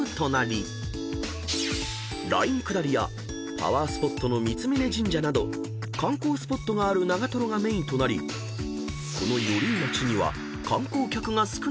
［ライン下りやパワースポットの三峯神社など観光スポットがある長瀞がメインとなりこの］